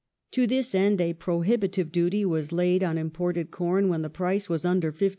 To this end a prohibitive duty was laid on imported corn when the price was under 50s.